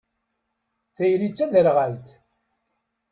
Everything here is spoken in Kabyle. Tayri d taderɣalt.